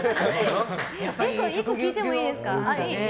１個聞いてもいいですか？